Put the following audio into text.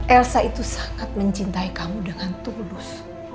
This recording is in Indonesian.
elsa itu sangat mencintai kamu dengan tulus